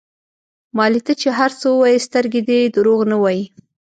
مالې ته چې هر څه ووايې سترګې دې دروغ نه وايي.